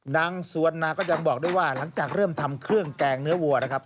นางสวนนาก็ยังบอกด้วยว่าหลังจากเริ่มทำเครื่องแกงเนื้อวัวนะครับ